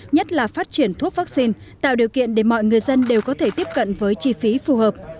nhất là phát triển thuốc vaccine tạo điều kiện để mọi người dân đều có thể tiếp cận với chi phí phù hợp